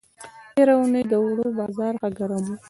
تېره اوونۍ د اوړو بازار ښه گرم و.